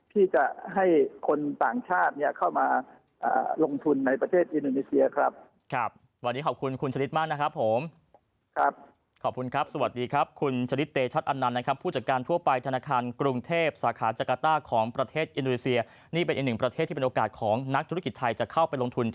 ที่จะให้คนต่างชาติเนี่ยเข้ามาอ่าลงทุนในประเทศอินโดนีเซียครับครับวันนี้ขอบคุณคุณชนิดมากนะครับผมครับขอบคุณครับสวัสดีครับคุณชนิดเตชัตอันนันนะครับผู้จัดการทั่วไปธนาคารกรุงเทพสาขาจักราต้าของประเทศอินโดนีเซียนี่เป็นอีกหนึ่งประเทศที่เป็นโอกาสของนักธุรกิจไทยจะเข้า